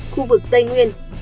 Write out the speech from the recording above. khu vực tây nguyên